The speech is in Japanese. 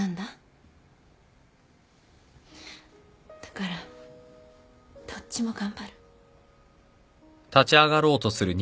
だからどっちも頑張る。